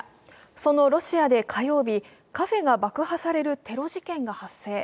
そのロシアで火曜日、カフェが爆破されるテロ事件が発生。